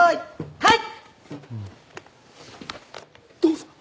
はい。